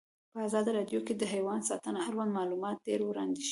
په ازادي راډیو کې د حیوان ساتنه اړوند معلومات ډېر وړاندې شوي.